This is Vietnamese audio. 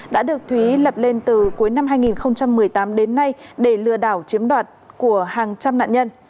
đã được thúy lập lên từ cuối năm hai nghìn một mươi tám đến nay để lừa đảo chiếm đoạt của hàng trăm nạn nhân